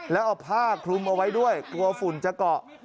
แล้วเอาผ้าคลุมเอาไว้ด้วยกลัวฝุ่นจะเกาะ